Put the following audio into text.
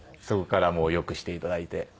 そこから良くしていただいて。